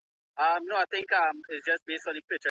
د لړم چیچلو په وخت څه باید وسي؟